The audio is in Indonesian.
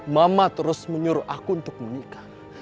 mama terus menyuruh aku untuk menikah